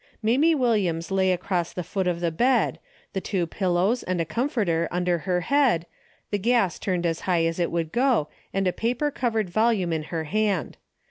Mamie Williams lay across the foot of the bed, the two pillows and a comforter under her head, the gas turned as high as it would go, and a paper covered volume in her hand.